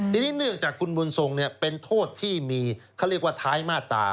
ทีนี้เนื่องจากคุณบุญทรงเป็นโทษที่มีเขาเรียกว่าท้ายมาตรา